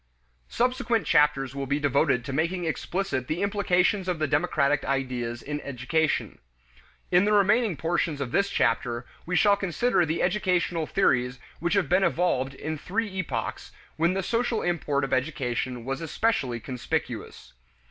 Subsequent chapters will be devoted to making explicit the implications of the democratic ideas in education. In the remaining portions of this chapter, we shall consider the educational theories which have been evolved in three epochs when the social import of education was especially conspicuous.